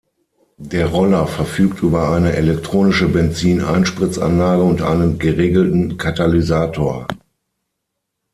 Der Roller verfügt über eine elektronische Benzin-Einspritzanlage und einen geregelten Katalysator.